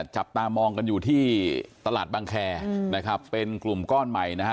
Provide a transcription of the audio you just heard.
จับตามองกันอยู่ที่ตลาดบังแคร์นะครับเป็นกลุ่มก้อนใหม่นะฮะ